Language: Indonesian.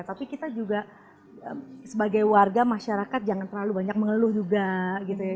tapi kita juga sebagai warga masyarakat jangan terlalu banyak mengeluh juga gitu ya